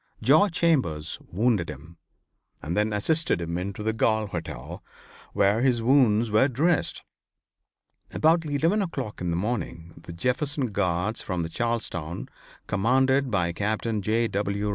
George Chambers wounded him, and then assisted him into the Galt hotel, where his wounds were dressed. About eleven o'clock in the morning the Jefferson Guards from Charlestown commanded by Captain J. W.